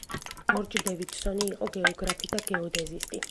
ჯორჯ დევიდსონი იყო გეოგრაფი და გეოდეზისტი.